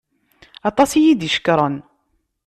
Aṭas iyi-d-icekkren.